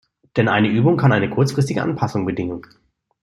Denn eine Übung kann eine kurzfristige Anpassung bedingen.